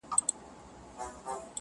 • دریم یار په ځان مغرور نوم یې دولت وو,